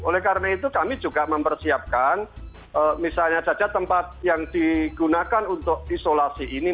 oleh karena itu kami juga mempersiapkan misalnya saja tempat yang digunakan untuk isolasi ini